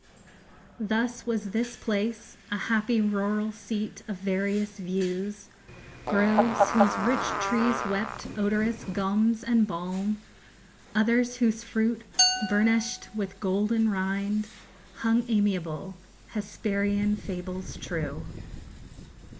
_Thus was this place A happy rural seat of various views, Groves whose rich trees wept odorous gums and balm, Others, whose fruit, burnish'd with golden rind, _Hung amiable, Hesperian fables true.